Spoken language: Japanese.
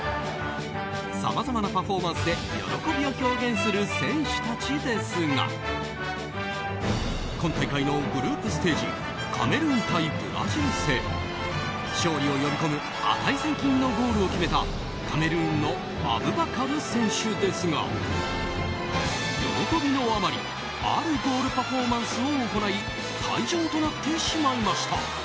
さまざまなパフォーマンスで喜びを表現する選手たちですが今大会のグループステージカメルーン対ブラジル戦勝利を呼び込む値千金となるゴールを決めたカメルーンのアブバカル選手ですが喜びのあまりあるゴールパフォーマンスを行い退場となってしまいました。